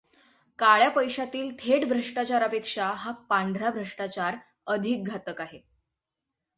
काळ्या पैशातील थेट भ्रष्टाचारापेक्षा हा पांढरा भ्रष्टाचार अधिक घातक आहे.